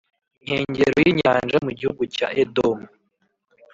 Nkengero y inyanja mu gihugu cya edomu